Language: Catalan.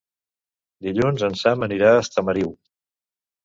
Dilluns en Sam anirà a Estamariu.